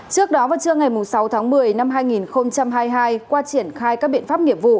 trước đó vào trưa ngày sáu tháng một mươi năm hai nghìn hai mươi hai qua triển khai các biện pháp nghiệp vụ